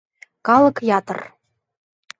Калык ятыр.